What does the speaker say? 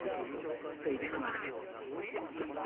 ついてこなくて。